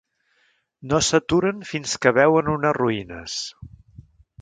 No s'aturen fins que veuen unes ruïnes.